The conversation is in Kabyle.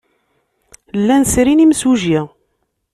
Llan srin imsujji.